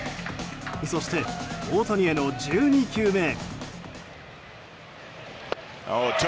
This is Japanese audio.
そして、大谷への１２球目。